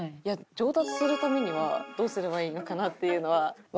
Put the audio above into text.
上達するためにはどうすればいいのかなっていうのは。